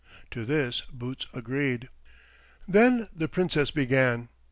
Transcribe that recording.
To this Boots agreed. Then the Princess began.